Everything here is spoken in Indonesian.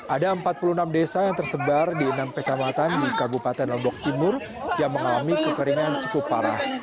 ada empat puluh enam desa yang tersebar di enam kecamatan di kabupaten lombok timur yang mengalami kekeringan cukup parah